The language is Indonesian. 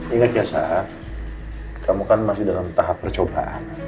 ingat ya saat kamu kan masih dalam tahap percobaan